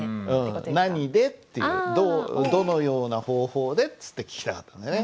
「なにで？」っていう「どのような方法で？」って聞きたかったんだよね。